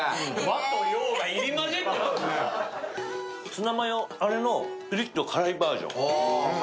ツナマヨのピリッと辛いバージョン。